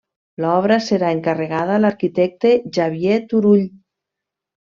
L'obra serà encarregada a l'arquitecte Xavier Turull.